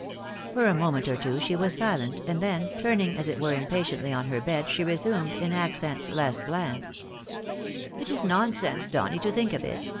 For a moment or two she was silent, and then, turning as it were impatiently on her bed, she resumed, in accents less bland —" It is nonsense, Donny, to think of it.